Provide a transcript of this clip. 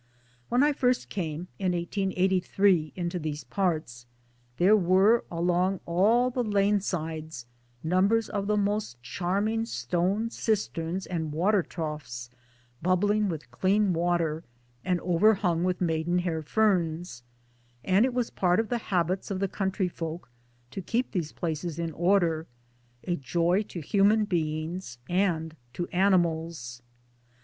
When I first came, in 1883, into these parts, there were along all the lane sides numbers of the most charming stone cisterns and water troughs bubbling with clean water and overhung with maiden hair ferns ; and it was part of the habits of the country folk to keep these places in order a joy to human being's and to animals.